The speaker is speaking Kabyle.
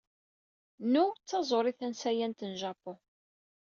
Nu d taẓuri tansayant n jjapun.